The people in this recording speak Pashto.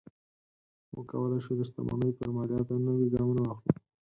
موږ کولی شو د شتمنۍ پر مالیاتو نوي ګامونه واخلو.